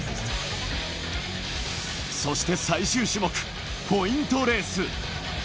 そして最終種目、ポイントレース。